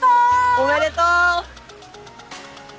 おめでとう！